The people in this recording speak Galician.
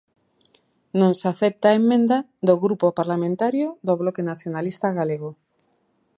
Non se acepta a emenda do Grupo Parlamentario do Bloque Nacionalista Galego.